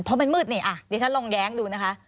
เพราะมันมืดนี่อ่ะดิฉันลองแย้งดูนะคะ